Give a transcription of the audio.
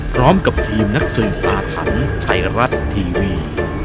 พร้อมกับทีมนักส่วยฝาถันไทยรัฐทีวี